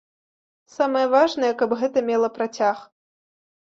Самае важнае, каб гэта мела працяг.